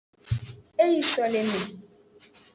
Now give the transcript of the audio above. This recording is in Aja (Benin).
E yi soleme.